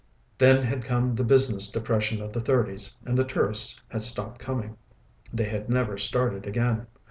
Then had come the business depression of the thirties and the tourists had stopped coming. They had never started again.